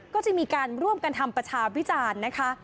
ก็จะมีการร่วมกันทำประชาวิจารณ์นะคะ